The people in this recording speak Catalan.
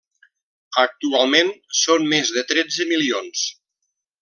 Actualment són més de tretze milions.